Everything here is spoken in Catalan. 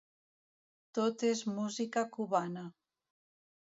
Tot és música cubana.